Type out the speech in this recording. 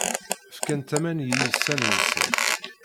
Fkant aman i yiysan-nsent.